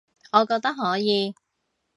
我覺得可以